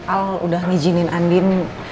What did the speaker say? al udah nginjinin andin